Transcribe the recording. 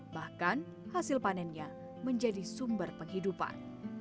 bahkan hasil panennya menjadi sumber penghidupan